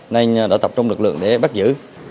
nên đã tập trung lực lượng để bắt giữ